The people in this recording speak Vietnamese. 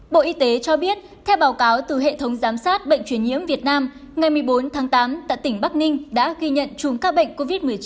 bộ y tế cho biết theo báo cáo từ hệ thống giám sát bệnh truyền nhiễm việt nam ngày một mươi bốn tháng tám tại tỉnh bắc ninh đã ghi nhận chùm các bệnh covid một mươi chín